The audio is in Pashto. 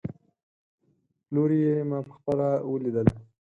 پلوري يې، ما په خپله وليدل